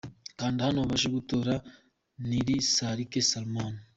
Kanda hano ubashe gutora Nirisarike Salomon .